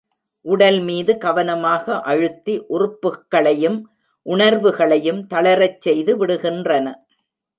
உடல் மீது கவனமாக அழுத்தி, உறுப்புக்களையும் உணர்வுகளையும் தளரச் செய்து விடுகின்றன.